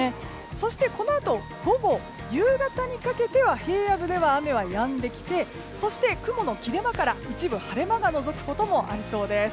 そして、このあと午後、夕方にかけては平野部では雨はやんできてそして、雲の切れ間から一部晴れ間がのぞくこともありそうです。